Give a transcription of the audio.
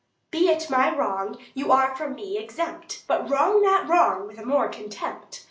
Be it my wrong you are from me exempt, 170 But wrong not that wrong with a more contempt.